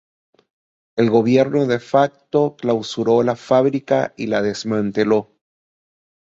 El Gobierno de facto clausuró la fábrica y la desmanteló.